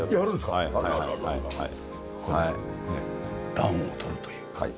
暖を取るという。